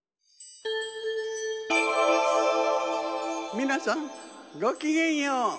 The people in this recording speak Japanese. みなさんごきげんよう。